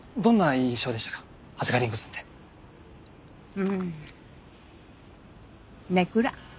うーん根暗。